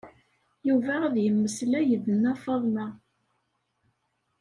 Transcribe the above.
Yuba ad yemmeslay d Nna Faḍma.